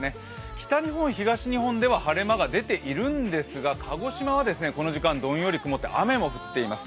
北日本、東日本では晴れ間が出ているんですが、鹿児島は、この時間どんより曇って雨も降っています。